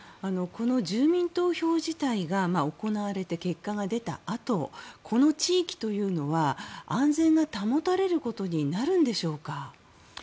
住民投票自体が行われて結果が出たあと、この地域は安全が保たれることになるんでしょうか。